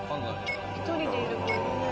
１人でいる。